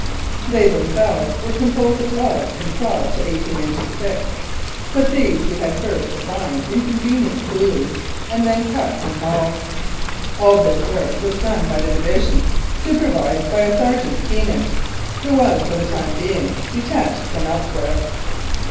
They themselves were composed of logs from twelve to eighteen inches thick, but these we had first to find in convenient coulees and then cut and haul. All this work was done by the division, supervised by a Sergeant Keenan, who was for the time being detached from elsewhere.